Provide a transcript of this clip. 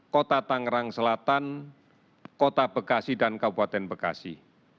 kota tangerang selatan kota bekasi dan kabupaten bekasi